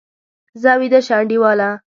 ځه، ویده شه انډیواله!